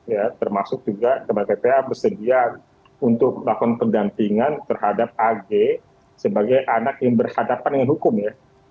ya termasuk juga kepada ppa bersedia untuk melakukan pendampingan terhadap ag sebagai anak yang berhadapan dengan hukum ya